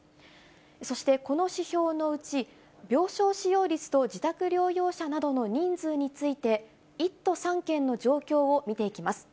そしてこの指標のうち、病床使用率と自宅療養者などの人数について、１都３県の状況を見ていきます。